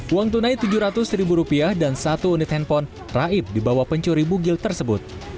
uang tunai rp tujuh ratus dan satu unit handphone raib dibawah pencuri bugil tersebut